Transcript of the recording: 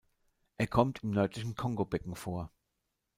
Er kommt im nördlichen Kongobecken vor.